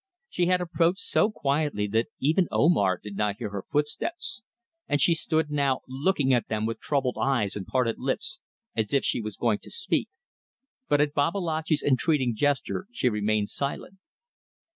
She had approached so quietly that even Omar did not hear her footsteps, and she stood now looking at them with troubled eyes and parted lips, as if she was going to speak; but at Babalatchi's entreating gesture she remained silent.